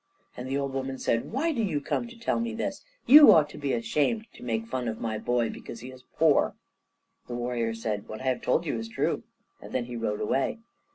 And the old woman said, "Why do you come to tell me this? You ought to be ashamed to make fun of my boy, because he is poor." The warrior said, "What I have told you is true," and then he rode away.